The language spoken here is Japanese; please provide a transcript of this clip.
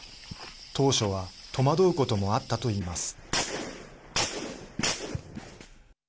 当初は戸惑うこともあったといいます。